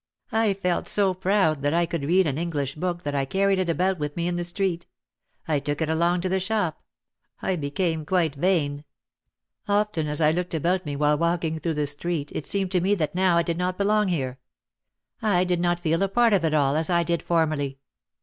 I felt so proud that I could read an English book that I carried it about with me in the street. I took it along to the shop. I became quite vain. Often as I looked about me 2£0 OUT OF THE SHADOW while walking through the street it seemed to me that now I did not belong here. I did not feel a part of it all as I did formerly.